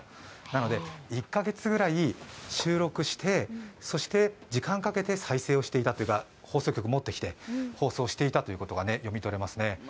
なので１カ月ぐらい収録してそして時間をかけて再生していたというか放送局に持っていって放送していたということが読み取れますね。